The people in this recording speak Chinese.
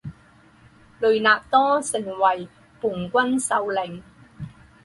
雷纳多成为叛军首领。